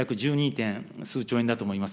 約１２．数兆円だと思います。